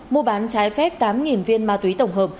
mua bán trái phép tám viên ma túy tổng hợp